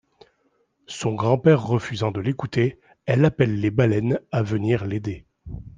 Son grand-père refusant de l'écouter, elle appelle les baleines à venir l'aider.